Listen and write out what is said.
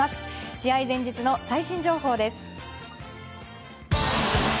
試合前日の最新情報です。